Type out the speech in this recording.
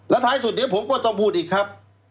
ท้ายสุดเดี๋ยวผมก็ต้องพูดอีกครับ